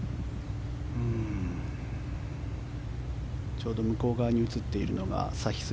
ちょうど向こう側に映っているのがサヒス・